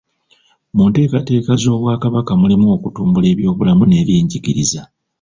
Mu nteekateeka z’Obwakabaka mulimu okutumbula ebyobulamu n’ebyenjigiriza.